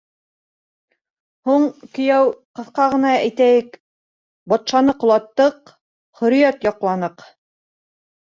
— Һуң, кейәү, ҡыҫҡа ғына әйтәйек: батшаны ҡолаттыҡ, хөрриәт яҡланыҡ.